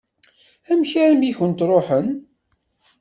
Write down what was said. Amek armi i kent-ṛuḥen?